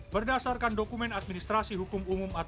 berdasarkan doa yang diberikan